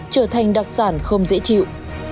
trở thành đặc sản không dễ chịu